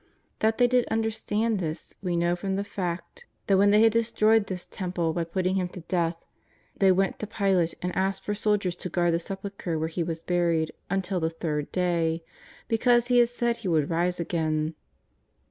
That they did understand this we know from the fact that when they had destroyed this Temple JESUS OF NAZARETH. 149 by putting Him to death, they went to Pilate and asked for soldiers to guard the sepulchre where He was buried until the third day, because He had said He would rise again.